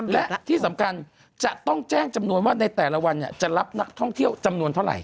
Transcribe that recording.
และที่สำคัญจะต้องแจ้งจำนวนว่าในแต่ละวันจะรับนักท่องเที่ยวจำนวนเท่าไหร